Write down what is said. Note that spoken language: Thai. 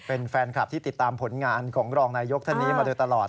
เป็นแฟนคลับที่ติดตามผลงานของรองนายกท่านนี้มาโดยตลอด